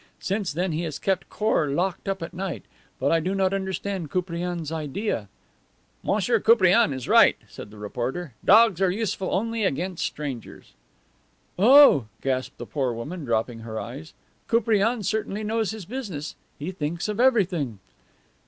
'Since then he has kept Khor locked up at night. But I do not understand Koupriane's idea." "Monsieur Koupriane is right," said the reporter. "Dogs are useful only against strangers." "Oh," gasped the poor woman, dropping her eyes. "Koupriane certainly knows his business; he thinks of everything."